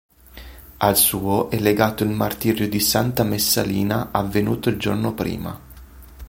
Al suo è legato il martirio di santa Messalina avvenuto il giorno prima.